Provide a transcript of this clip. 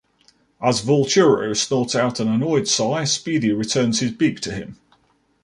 As Vulturo snorts out an annoyed sigh, Speedy returns his beak to him.